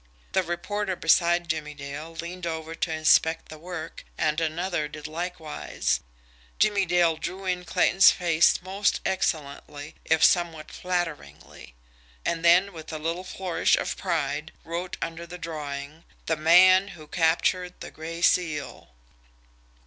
The reporter beside Jimmie Dale leaned over to inspect the work, and another did likewise. Jimmie Dale drew in Clayton's face most excellently, if somewhat flatteringly; and then, with a little flourish of pride, wrote under the drawing: "The Man Who Captured the Gray Seal."